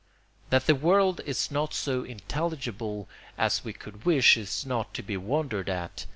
That the world is not so intelligible as we could wish is not to be wondered at.